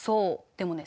でもね